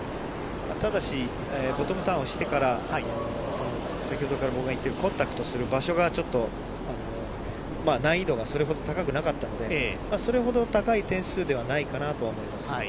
ただし、ボトムターンをしてから、先ほどから僕が言っている、コンタクトする場所がちょっと、難易度がそれほど高くなかったので、それほど高い点数ではないかなとは思いますけど。